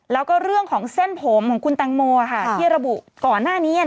แล้วก็เรื่องของเส้นผมของคุณแตงโมที่ระบุก่อนหน้านี้